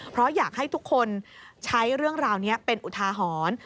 เพราะอยากให้ทุกคนใช้เรื่องราวนี้เป็นอุทาหรณ์